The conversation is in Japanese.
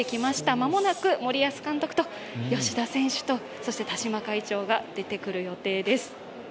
間もなく、森保監督と吉田選手と田嶋会長が出てくる予定です。